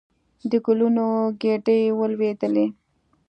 د ګلونو ګېدۍ ولېدلې.